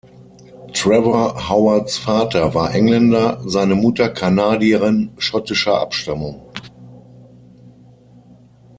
Trevor Howards Vater war Engländer, seine Mutter Kanadierin schottischer Abstammung.